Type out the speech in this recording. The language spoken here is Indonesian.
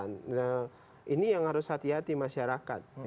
nah ini yang harus hati hati masyarakat